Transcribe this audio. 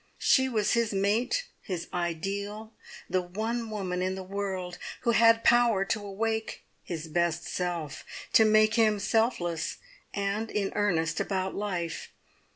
She was his mate, his ideal, the one woman in the world who had power to awake his best self; to make him selfless, and in earnest about life.